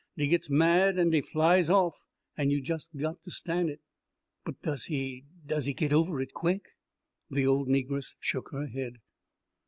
Dey gits mad, an' dey flies off, an' you just got to stan' it." "But does he does he get over it quick?" The old negress shook her head.